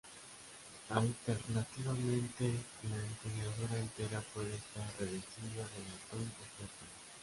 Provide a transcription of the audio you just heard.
Alternativamente, la empuñadura entera puede estar revestida de latón o plata.